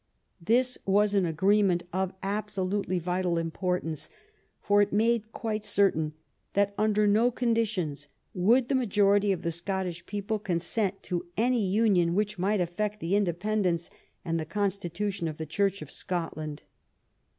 This was an agree ment of absolutely vital importance, for it was made quite certain that under no conditions would the ma jority of the Scottish people consent to any union which might affect the independence and the constitution of the Church of Scotland.